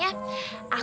mau beli makan